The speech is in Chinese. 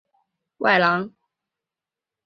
授户部员外郎。